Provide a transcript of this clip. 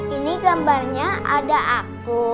ini gambarnya ada aku